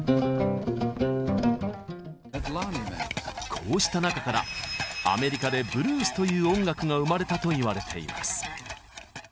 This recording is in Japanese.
こうした中からアメリカでブルースという音楽が生まれたといわれています。